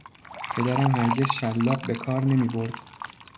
پدرم هرگز شلاق بهکار نمیبرد.